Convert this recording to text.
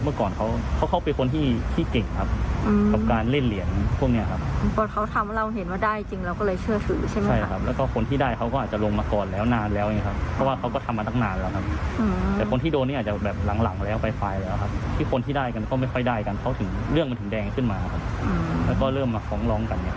เรื่องมันถึงแดงขึ้นมาครับแล้วก็เริ่มมาค้องร้องกัน